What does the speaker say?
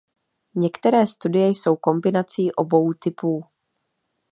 Některé studie jsou kombinací obou typů.